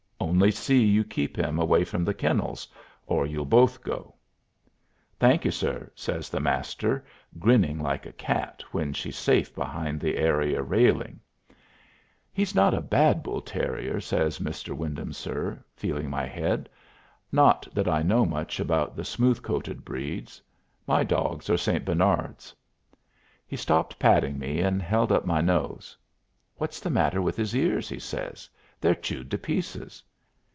Only see you keep him away from the kennels or you'll both go." "Thank you, sir," says the Master, grinning like a cat when she's safe behind the area railing. "He's not a bad bull terrier," says "Mr. Wyndham, sir," feeling my head. "Not that I know much about the smooth coated breeds. My dogs are St. Bernards." He stopped patting me and held up my nose. "What's the matter with his ears?" he says. "They're chewed to pieces.